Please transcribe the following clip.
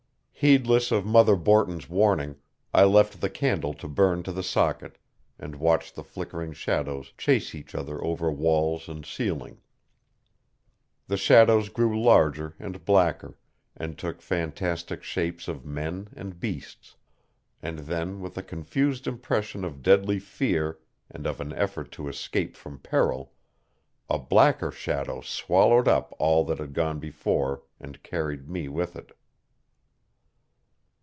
Heedless of Mother Borton's warning I left the candle to burn to the socket, and watched the flickering shadows chase each other over walls and ceiling. The shadows grew larger and blacker, and took fantastic shapes of men and beasts. And then with a confused impression of deadly fear and of an effort to escape from peril, a blacker shadow swallowed up all that had gone before, and carried me with it.